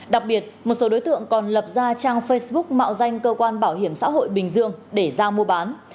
đặc biệt một số đối tượng còn lập ra trang facebook mạo danh cơ quan bảo hiểm xã hội bình dương để giao mua bán